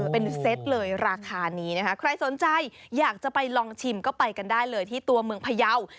เป็นเซตเลยราคานี้นะคะใครสนใจอยากจะไปลองชิมก็ไปกันได้เลยที่ตัวเมืองพยาว